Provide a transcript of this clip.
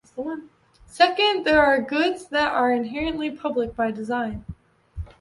Second, there are goods that are inherently "public by design".